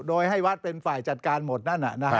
โดยให้วัดเป็นฝ่ายจัดการหมดนั่น